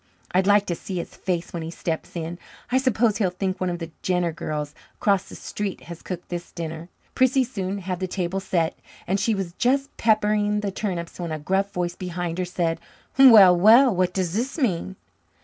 I'd like to see his face when he steps in. I suppose he'll think one of the Jenner girls across the street has cooked his dinner." Prissy soon had the table set, and she was just peppering the turnips when a gruff voice behind her said: "Well, well, what does this mean?"